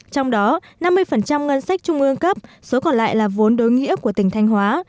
trong đó năm mươi ngân sách trung ương cấp số còn lại là vốn đối nghĩa của tỉnh thanh hóa